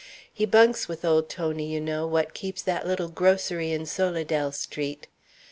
He bunks with old Tony, you know, what keeps that little grocery in Solidelle Street.